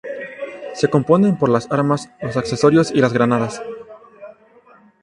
Se componen por las Armas, los accesorios y las granadas.